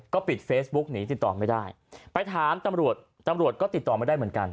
ก็ปิดเฟซบุ๊กหนีติดต่อไม่ได้ไปถามตำรวจตำรวจก็ติดต่อไม่ได้เหมือนกัน